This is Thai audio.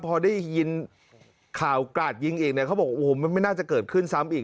พอได้ยินข่าวกราดยิงอีกมันไม่น่าจะเกิดขึ้นซ้ำอีก